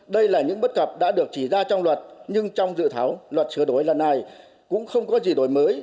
đây là những bất cập đã được chỉ ra trong luật nhưng trong dự thảo luật sửa đổi lần này cũng không có gì đổi mới